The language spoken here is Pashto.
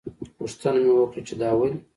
پوښتنه مې وکړه چې دا ولې.